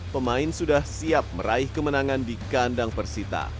pemain sudah siap meraih kemenangan di kandang persita